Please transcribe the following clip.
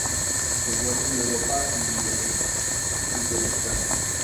Se encuentra en Europa y en Uzbekistán.